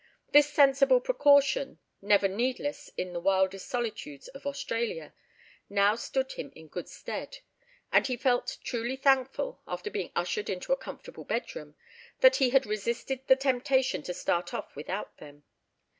This sensible precaution (never needless in the wildest solitudes of Australia) now stood him in good stead. And he felt truly thankful, after being ushered into a comfortable bedroom, that he had resisted the temptation to start off without them.